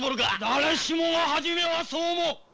誰しもが初めはそう思う！